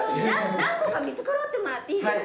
何個か見繕ってもらっていいですか？